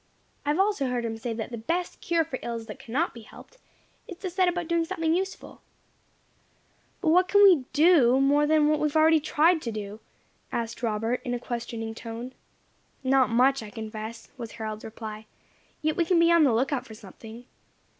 I have also heard him say that 'the best cure for ills that cannot be helped is to set about doing something useful.'" "But what can we do more than we have already tried to do?" asked Robert, in a questioning tone. "Not much, I confess," was Harold's reply; "yet we can be on the lookout for something.